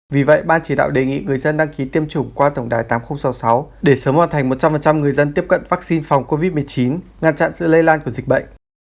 vì vậy ban chỉ đạo đề nghị người dân đăng ký tiêm chủng qua tổng đài tám nghìn sáu mươi sáu để sớm hoàn thành một trăm linh người dân tiếp cận vaccine phòng covid một mươi chín ngăn chặn sự lây lan của dịch bệnh